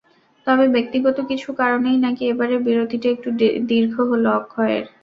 তবে ব্যক্তিগত কিছু কারণেই নাকি এবারের বিরতিটা একটু দীর্ঘ হলো অক্ষয়ের।